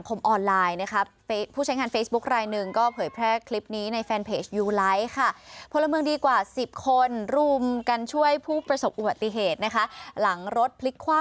กดเกลียดให้มา